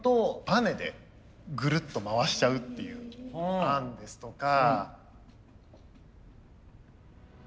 バネでぐるっと回しちゃうっていう案ですとか。